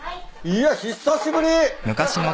いや久しぶり！